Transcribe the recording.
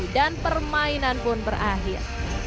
dan permainan pun berakhir